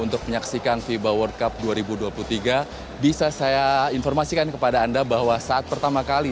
untuk menyaksikan fiba world cup dua ribu dua puluh tiga bisa saya informasikan kepada anda bahwa saat pertama kali